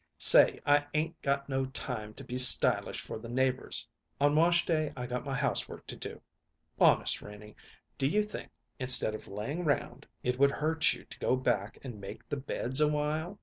"Say, I 'ain't got no time to be stylish for the neighbors. On wash day I got my housework to do. Honest, Renie, do you think, instead of laying round, it would hurt you to go back and make the beds awhile?